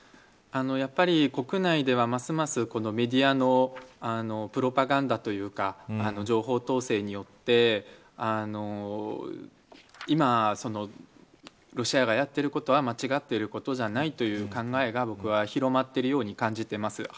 やはり国内ではますますメディアのプロパガンダというか情報統制によって今、ロシアがやっていることは間違っていることじゃないという考えが僕は広まっているように感じています。